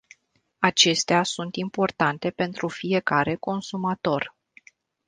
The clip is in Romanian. Acestea sunt importante pentru fiecare consumator.